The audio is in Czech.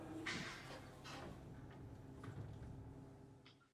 Blahopřeji všem zpravodajům za jejich práci.